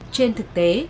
trên thực tế